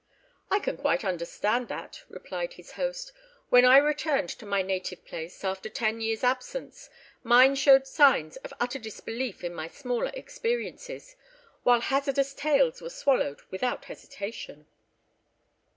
"I can quite understand that," replied his host. "When I returned to my native place, after ten years' absence, mine showed signs of utter disbelief in my smaller experiences, while hazardous tales were swallowed without hesitation."